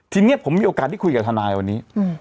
ทีนี้ผมมีโอกาสได้คุยกับทนายวันนี้